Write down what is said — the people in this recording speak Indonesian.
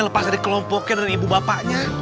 lepas dari kelompoknya dari ibu bapaknya